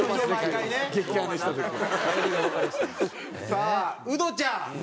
さあウドちゃん。